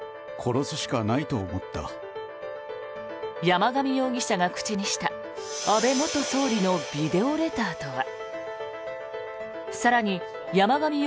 山上容疑者が口にした安倍元総理のビデオレターとは。